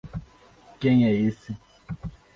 Quem é esse?